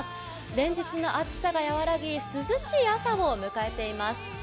連日の暑さが和らぎ涼しい朝を迎えています。